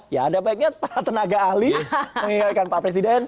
ya ada baiknya para tenaga ahli mengingatkan pak presiden